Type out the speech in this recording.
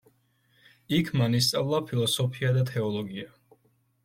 იქ მან ისწავლა ფილოსოფია და თეოლოგია.